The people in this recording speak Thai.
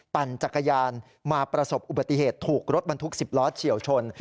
ปั่นจักรยานมาประสบอุบัติเหตุถูกรถบรรทุก๑๐ล้อเฉียวชน